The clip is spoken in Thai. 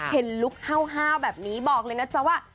ลุคห้าวแบบนี้บอกเลยนะจ๊ะว่า